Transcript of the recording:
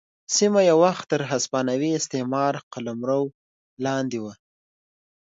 سیمه یو وخت تر هسپانوي استعمار قلمرو لاندې وه.